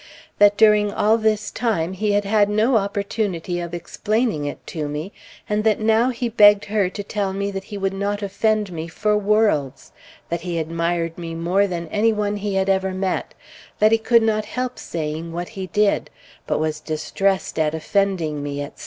That during all this time he had had no opportunity of explaining it to me, and that now he begged her to tell me that he would not offend me for worlds that he admired me more than any one he had ever met, that he could not help saying what he did, but was distressed at offending me, etc.